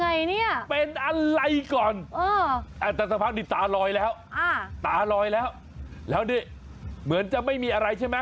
เฮ้ยอะไรเป็นอะไรก่อนแต่สักพักตีตาลอยแล้วแล้วเหมือนจะไม่มีอะไรใช่ไหม